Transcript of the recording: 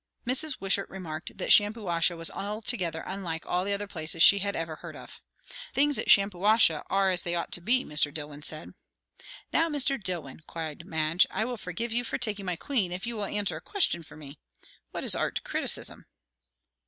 Mrs. Wishart remarked that Shampuashuh was altogether unlike all other places she ever had heard of. "Things at Shampuashuh are as they ought to be," Mr. Dillwyn said. "Now, Mr. Dillwyn," cried Madge, "I will forgive you for taking my queen, if you will answer a question for me. What is 'art criticism'?"